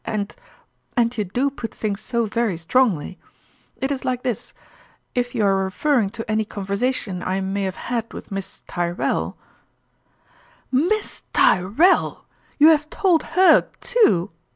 " And and you do put things so very strongly ! It is like this : if you are referring to any conversation I may have had with Miss Tyrrell "" Miss Tyrrell f You have told her too